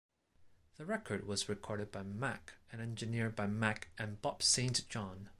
The record was recorded by Mack, and engineered by Mack and Bob Saint John.